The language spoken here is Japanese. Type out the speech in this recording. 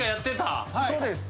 そうです。